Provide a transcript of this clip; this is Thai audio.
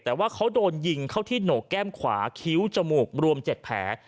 แต่ว่าเขาโดนยิงเข้าที่โหนกแก้มขวาคิ้วจมูกรวม๗แผล